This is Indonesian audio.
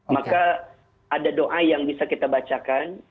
maka ada doa yang bisa kita bacakan